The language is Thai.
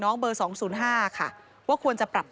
มันมีโอกาสเกิดอุบัติเหตุได้นะครับ